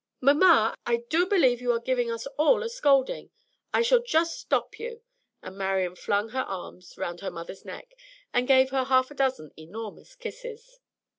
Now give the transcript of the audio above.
"Mamma, I do believe you are giving us all a scolding; I shall just stop you." And Marian flung her arms round her mother's neck, and gave her half a dozen enormous kisses.